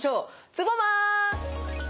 ツボマン！